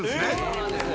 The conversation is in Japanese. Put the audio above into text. そうなんです。